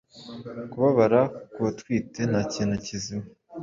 Kubabara kubatwite ntakintu kizima